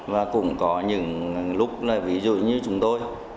và cũng có những lúc là ví dụ như chúng tôi